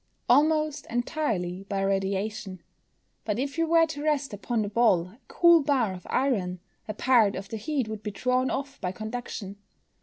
_ Almost entirely by radiation. But if you were to rest upon the ball a cold bar of iron, a part of the heat would be drawn off by conduction.